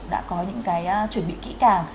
đã có những cái chuẩn bị kỹ càng